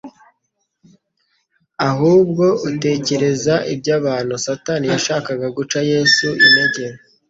ahubwo utekereza iby'abantu" Satani yashakaga guca Yesu intege